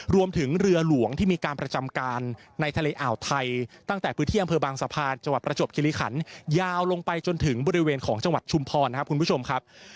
รวมถึงเรือหลวงที่มีการประจำการในทะเลอ่าวไทยตั้งแต่พื้นที่อำเภอบางสะพานจังหวัดประจวบคิริขันยาวลงไปจนถึงบริเวณของจังหวัดชุมพรนะครับคุณผู้ชมครับ